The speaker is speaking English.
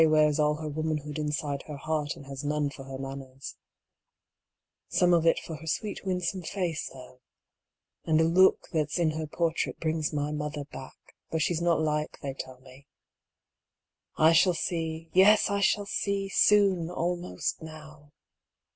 93 wears all her womanhood inside her heart and has none for her manners — some of it for her sweet winsome face though; and a look that's in her portrait brings my mother back, though she's not like they tell me. I shall see; yes I shall see! soon; almost now.